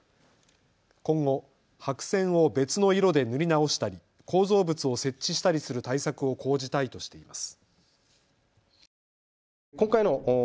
今後、白線を別の色で塗り直したり構造物を設置したりする対策を講じたいとしています。